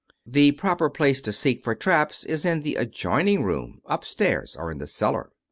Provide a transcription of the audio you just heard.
The proper place to seek for traps is in the adjoining room, upstairs, or in the cellar.